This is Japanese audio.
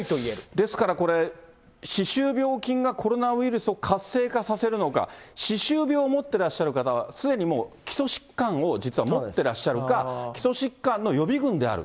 ですから、これ、歯周病菌がコロナウイルスを活性化させるのか、歯周病を持ってらっしゃる方はすでにもう基礎疾患を実は持ってらっしゃるか、基礎疾患の予備軍である。